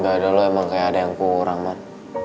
bayi dulu emang yang kayak ada yang kurang man